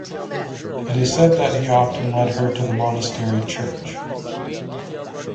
It is said that he often led her to the monastery church.